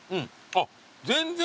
あっ全然。